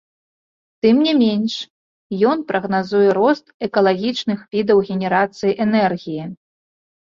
Тым не менш ён прагназуе рост экалагічных відаў генерацыі энергіі.